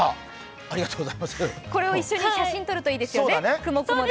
これを一緒に写真を撮るといいですよね、雲、雲で。